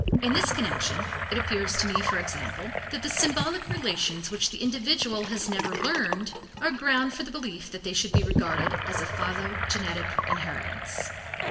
In this connection it appears to me, for example, that the symbolic relations which the individual has never learned are ground for the belief that they should be regarded as a philogenetic inheritance.